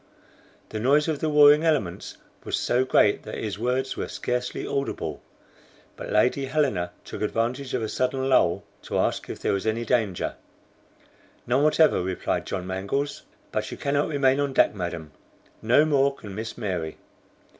The noise of the warring elements was so great that his words were scarcely audible, but Lady Helena took advantage of a sudden lull to ask if there was any danger. "None whatever," replied John Mangles; "but you cannot remain on deck, madam, no more can Miss Mary."